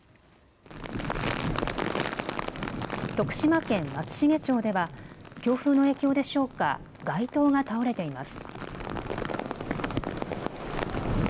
徳島県松茂町では強風の影響でしょうか、街灯が倒れています。